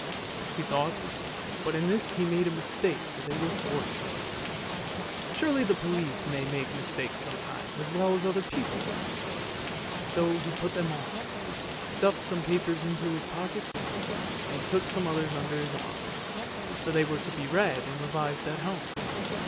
he thought, but in this he made a mistake for they were Fortune's. 324 ANDERSEN'S FAIRY TALES Surely the police may make mistakes sometimes, as well as other people ! So he put them on, stuffed some papers into his pockets and took some others under his arm, for they were to be read and revised at home.